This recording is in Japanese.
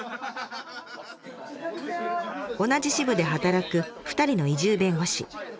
同じ支部で働く２人の移住弁護士。